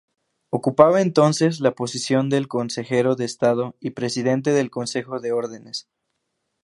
Ocupaba entonces la posición de consejero de estado y presidente del Consejo de Órdenes.